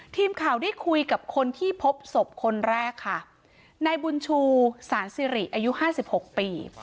ทีมข่าวได้คุยกับคนที่พบศพคนแรกค่ะนายบุญชูสารสิริอายุห้าสิบหกปี